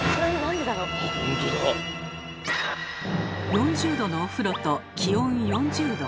４０℃のお風呂と気温４０℃。